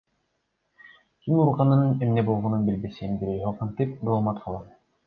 Ким урганын, эмне болгонун билбесем, бирөөгө кантип доомат кылам?